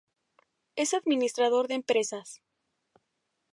Es Administrador de Empresas.